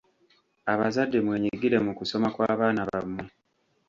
Abazadde mwenyigire mu kusoma kw'abaana bammwe.